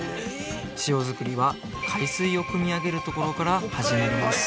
塩づくりは海水をくみ上げるところから始まります